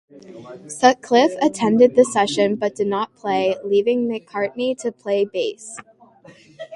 Sutcliffe attended the session, but did not play, leaving McCartney to play bass.